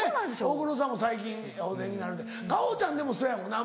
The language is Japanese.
大黒さんも最近お出になられて果歩ちゃんでもそうやもんな。